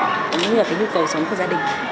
cũng như là cái nhu cầu sống của gia đình